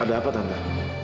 ada apa tante